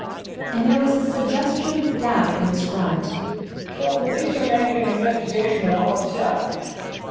"Huh," and there was a suggestion of doubt in his grunt. "The police are making an investigation in the hotel.